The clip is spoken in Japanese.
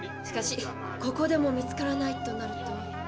しかしここでも見つからないとなると。